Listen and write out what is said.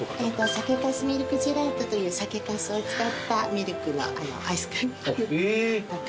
酒粕ミルクジェラートという酒粕を使ったミルクのアイスクリームとか。